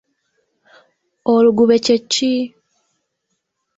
Oluggube kye ki?